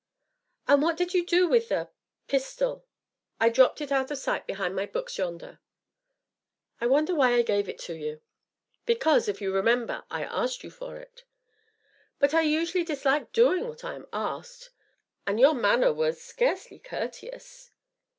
"And what did you do with the pistol?" "I dropped it out of sight behind my books yonder." "I wonder why I gave it to you." "Because, if you remember, I asked you for it." "But I usually dislike doing what I am asked, and your manner was scarcely courteous."